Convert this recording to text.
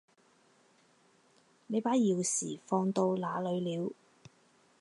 你把钥匙放到哪里了？